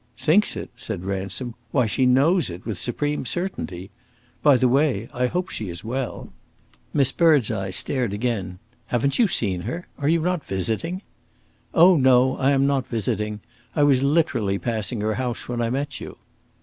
"Thinks it?" said Ransom. "Why, she knows it, with supreme certainty! By the way, I hope she is well." Miss Birdseye stared again. "Haven't you seen her? Are you not visiting?" "Oh no, I am not visiting! I was literally passing her house when I met you."